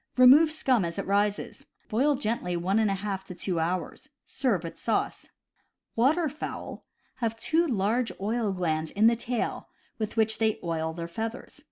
Remove scum as it rises. Boil gently one and one half to two hours. Serve with sauce. Waterfowl have two large oil glands in the tail, with which they oil their feathers.